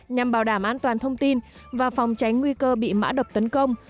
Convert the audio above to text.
nhằm bảo đảm an toàn thông tin và phòng tránh nguy cơ bị mã độc tấn công